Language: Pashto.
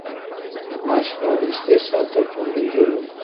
د ماشومانو استحصال تر ټولو لوی جرم دی!